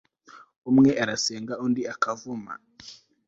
umwe arasenga, undi akavuma